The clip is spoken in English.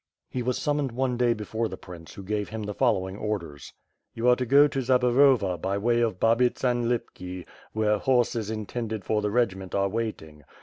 He was summoned one day before the prince who gave him the following orders: "You are to go to Zaborova by way of Babits and Lipki, where horses intended for the regiment are waiting.